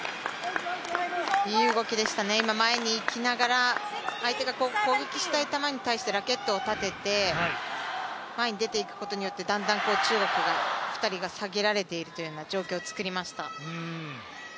いい動きでしたね、今、前に行きながら相手が攻撃したい球に対してラケットを立てて前に出ていくことによって、だんだん中国が、２人が下げられているというような状況を作りました。